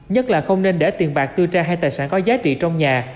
nhất là không nên để tiền bạc tư trang hay tài sản có giá trị trong nhà